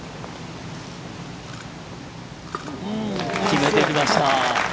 決めてきました。